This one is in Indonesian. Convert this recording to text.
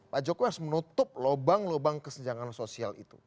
pak jokowi harus menutup lubang lubang kesenjangan sosial itu